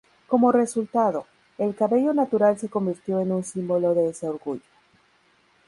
Como resultado, el cabello natural se convirtió en un símbolo de ese orgullo.